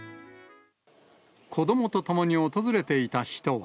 子どもと共に訪れていた人は。